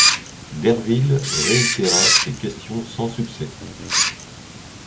Derville réitéra ses questions sans succès.